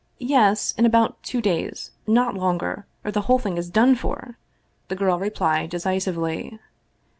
" Yes, in about two days, not longer, or the whole thing is done for!" the girl replied decisively.